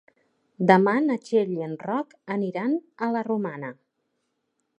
Demà na Txell i en Roc aniran a la Romana.